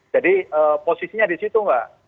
jadi posisinya di situ pak